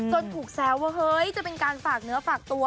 ถูกแซวว่าเฮ้ยจะเป็นการฝากเนื้อฝากตัว